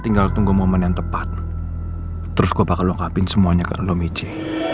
tinggal tunggu momen yang tepat terus gua bakal lengkapin semuanya ke lo mieci